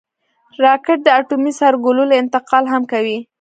راکټ د اټومي سرګلولې انتقال هم کوي